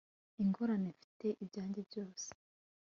ingorane - mfite ibyanjye byose